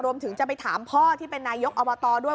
รวมถึงจะไปถามพ่อที่เป็นนายกอบตด้วย